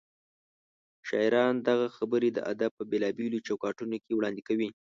شاعران دغه خبرې د ادب په بېلابېلو چوکاټونو کې وړاندې کوي.